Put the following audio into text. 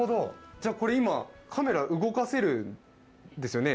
じゃあこれ今カメラ動かせるんですよね？